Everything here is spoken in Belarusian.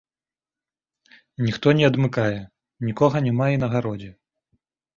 Ніхто не адмыкае, нікога няма і на гародзе.